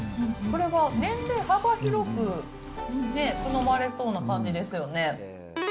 これは年齢幅広くね、好まれそうな感じですよね。